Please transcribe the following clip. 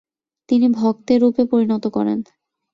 তিনি ভক্তেরূপে পরিণত করেন।